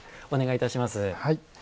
お願いいたします。